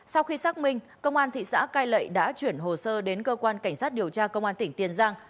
sau khi xác minh công an thị xã cai lệ đã chuyển hồ sơ đến cơ quan cảnh sát điều tra công an tỉnh tiền giang